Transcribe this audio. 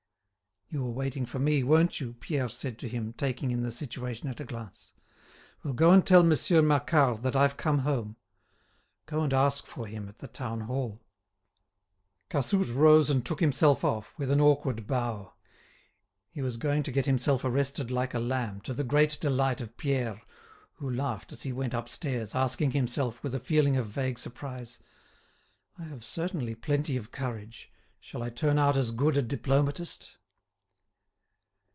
"You were waiting for me, weren't you?" Pierre said to him, taking in the situation at a glance. "Well, go and tell Monsieur Macquart that I've come home. Go and ask for him at the Town Hall." Cassoute rose and took himself off, with an awkward bow. He was going to get himself arrested like a lamb, to the great delight of Pierre, who laughed as he went upstairs, asking himself, with a feeling of vague surprise: "I have certainly plenty of courage; shall I turn out as good a diplomatist?"